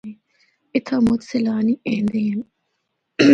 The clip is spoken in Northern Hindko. اِتھا مُچ سیلانی ایندے ہن۔